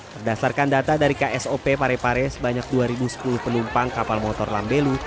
berdasarkan data dari ksop parepare sebanyak dua sepuluh penumpang kapal motor lambelu